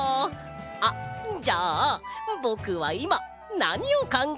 あっじゃあぼくはいまなにをかんがえてるでしょうか！？